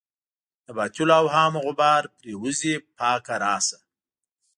د باطلو اوهامو غبار پرېوځي پاکه راشه.